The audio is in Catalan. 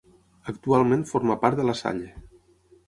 Actualment forma part de La Salle.